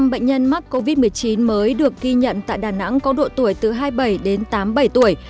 bảy mươi bệnh nhân mắc covid một mươi chín mới được ghi nhận tại đà nẵng có độ tuổi từ hai mươi bảy đến tám mươi bảy tuổi